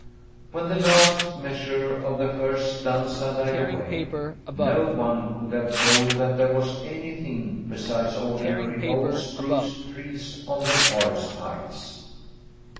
When the last measure of the first stanza died away, no one could have told that there was anything besides ordinary old spruce trees on the forest heights.